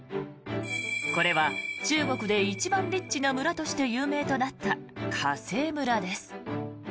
これは中国で一番リッチな村として有名となった華西村です。